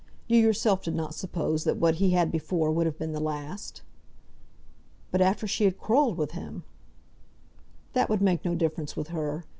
You yourself did not suppose that what he had before would have been the last." "But after she had quarrelled with him!" "That would make no difference with her.